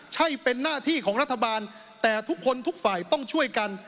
ใช่เป็นหน้าที่ของรัฐบาลแต่ทุกคนทุกฝ่ายต้องช่วยกัน